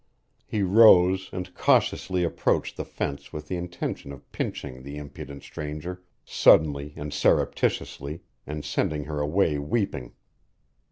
He rose and cautiously approached the fence with the intention of pinching the impudent stranger, suddenly and surreptitiously, and sending her away weeping.